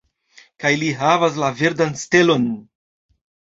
Kaj li havas la verdan stelon.